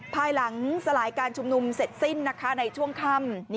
ภายหลังสลายการชุมนุมเสร็จสิ้นในช่วงค่ำ